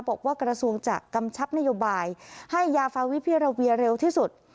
บอกว่ากระทรวงจะกำชับนโยบายให้ยาฟาวิพิราเวียเร็วที่สุด